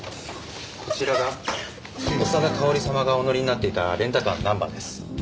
こちらが長田かおり様がお乗りになっていたレンタカーのナンバーです。